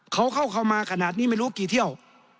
เขาเข้ามาขนาดนี้ไม่รู้กี่เที่ยว